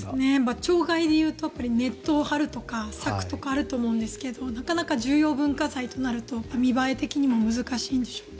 鳥害でいうとネットを張るとか柵とかあると思うんですがなかなか重要文化財となると見栄え的にも難しいんでしょうね。